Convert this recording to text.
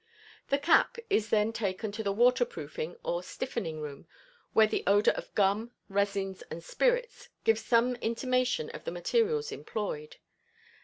The "cap" is then taken to the "water proofing" or "stiffening" room, where the odor of gum, resins and spirits gives some intimation of the materials employed.